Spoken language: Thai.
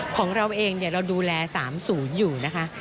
ของเราเองเนี่ยเราดูแล๓ศูนย์อยู่นะคะ